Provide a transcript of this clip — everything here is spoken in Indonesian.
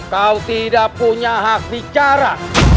kau tidak punya hak bicara